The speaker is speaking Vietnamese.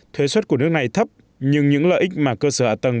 thuế suất của nước này thấp nhưng những lợi ích mà cơ sở ạ tầng